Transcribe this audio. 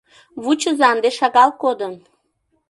Вучыза, ынде шагал кодын.